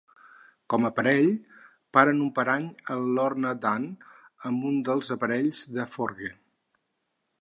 Com a parell, paren un parany a Lorna Dane amb un dels aparells de Forge.